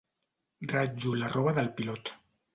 Ratllo la roba del pilot.